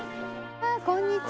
ああこんにちは。